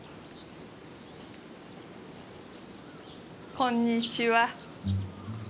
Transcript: こんにちは。